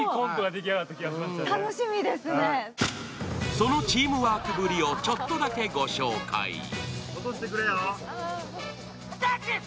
そのチームワークぶりをちょっとだけご紹介ジャスティス！